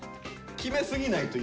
決めすぎない。